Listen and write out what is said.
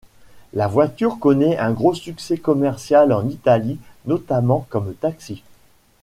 La voiture connaît un gros succès commercial en Italie, notamment comme taxi.